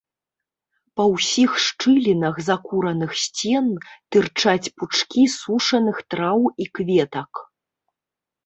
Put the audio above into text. Па ўсіх шчылінах закураных сцен тырчаць пучкі сушаных траў і кветак.